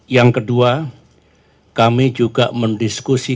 yang kedua kami juga mendiskusi